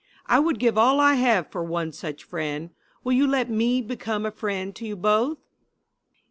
"I would give all I have for one such friend. Will you let me become a friend to you both?"